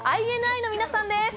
ＩＮＩの皆さんです！